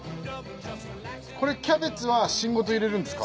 これキャベツは芯ごと入れるんですか？